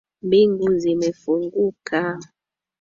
Mbingu zimefunguka